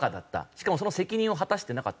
しかもその責任を果たしてなかった。